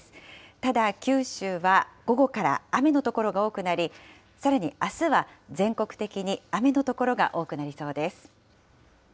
ただ、九州は午後から雨の所が多くなり、さらにあすは、全国的に雨の所が多くなりそうです。